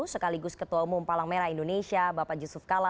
sekaligus ketua umum palang merah indonesia bapak yusuf kala